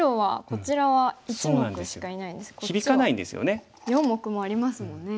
こっちは４目もありますもんね。